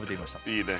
いいね！